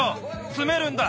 つめるんだ。